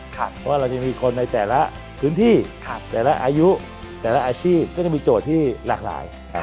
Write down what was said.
เพราะว่าเราจะมีคนในแต่ละพื้นที่แต่ละอายุแต่ละอาชีพก็จะมีโจทย์ที่หลากหลาย